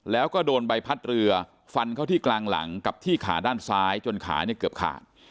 แล้วก็โดนใบพัดเรือฟันเข้าที่กลางหลังกับที่ขาด้านซ้ายจนขาเนี่ยเกือบขาด